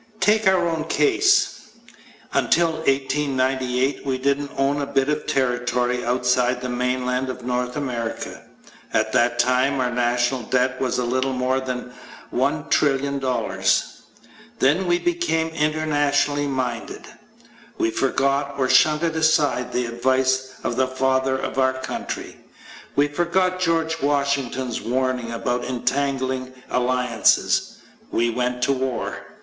Take our own case. Until 1898 we didn't own a bit of territory outside the mainland of North America. At that time our national debt was a little more than $1,000,000,000. Then we became "internationally minded." We forgot, or shunted aside, the advice of the Father of our country. We forgot George Washington's warning about "entangling alliances." We went to war.